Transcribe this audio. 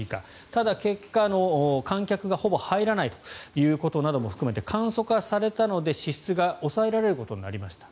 ただ、結果観客がほぼ入らないということなども含めて簡素化されたので支出が抑えられることになりました。